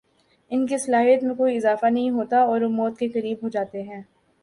ان کی صلاحیت میں کوئی اضافہ نہیں ہوتا اور وہ موت کےقریب ہوجاتے ہیں